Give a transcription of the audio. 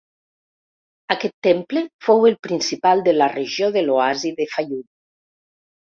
Aquest temple fou el principal de la regió de l'Oasi de Faium.